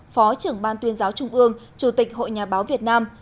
phó trưởng ban tuyên giáo trung ương chủ tịch hội nhà báo việt nam